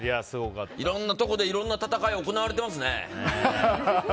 いろんなところでいろんな戦いが行われてますね。